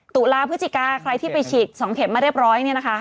ตุลาพฤศจิกาใครที่ไปฉีด๒เข็มมาเรียบร้อยเนี่ยนะคะ